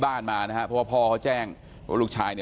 ตำรวจต้องไล่ตามกว่าจะรองรับเหตุได้